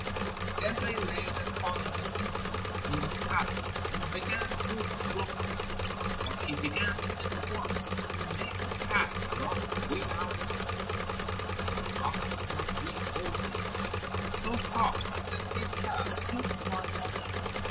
Then they laid the fatherless infant in the cradle and began to rock him, but he began at once to make the cradle rock without assistance, and he rocked for three whole days, so hard that his hair stood quite on end.